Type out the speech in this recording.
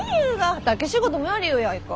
畑仕事もやりゆやいか。